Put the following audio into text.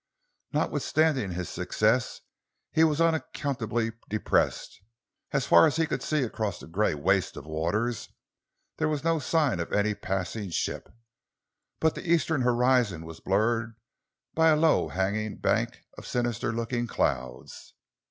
Notwithstanding his success, he was unaccountably depressed. As far as he could see across the grey waste of waters, there was no sign of any passing ship, but the eastern horizon was blurred by a low hanging bank of sinister looking clouds.